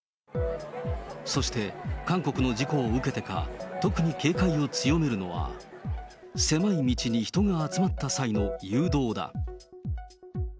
そして韓国の事故を受けてか、特に警戒を強めるのが、狭い道に人が集まった際の誘導だ。